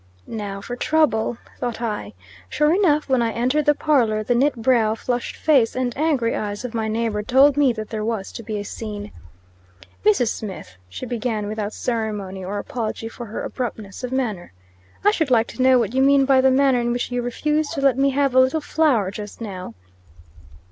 "Now for trouble," thought I. Sure enough, when I entered the parlor, the knit brow, flushed face, and angry eyes of my neighbor told me that there was to be a scene. "Mrs. Smith," she began, without ceremony or apology for her abruptness of manner, "I should like to know what you mean by the manner in which you refused to let me have a little flour just now?"